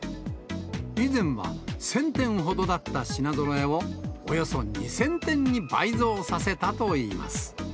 以前は１０００点ほどだった品ぞろえを、およそ２０００点に倍増させたといいます。